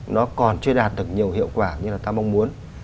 nó còn chưa đạt được nhiều hiệu quả như là ta mong muốn